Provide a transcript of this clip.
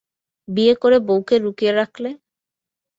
বিয়ে করে বৌকে লুকিয়ে রাখলে?